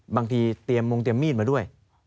บางทีเตรียมมงเตรียมมีดมาด้วย